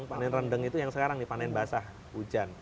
panen rendeng itu yang sekarang dipanen basah hujan